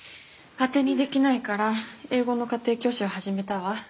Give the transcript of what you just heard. あてにできないから英語の家庭教師を始めたわ。